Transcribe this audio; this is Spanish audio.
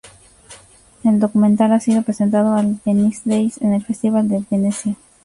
El documental ha sido presentado al Venice Days, en el Festival de Venecia.